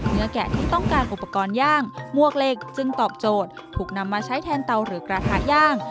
แกะที่ต้องการอุปกรณ์ย่างมวกเหล็กจึงตอบโจทย์ถูกนำมาใช้แทนเตาหรือกระทะย่าง